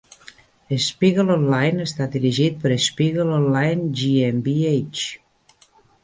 "Spiegel Online" està dirigit per Spiegel Online GmbH.